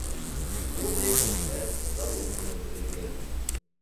Ул һәйбәтләп, зауыҡ менән төҙөлгән.